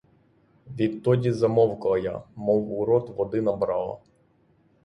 Відтоді замовкла я, мов у рот води набрала!